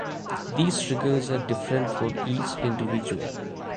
These triggers are different for each individual.